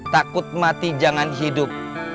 takut mati jangan hidup